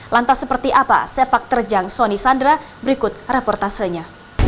lantas seperti apa sepak terjang sony sandra berikut raportasenya